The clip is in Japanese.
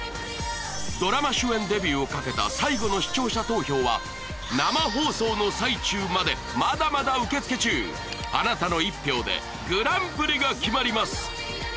ドラマ主演デビューをかけた最後の視聴者投票は生放送の最中までまだまだ受付中あなたの１票でグランプリが決まります！